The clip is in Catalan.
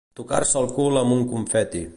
Torcar-se el cul amb un confeti.